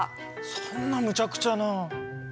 そんなむちゃくちゃな。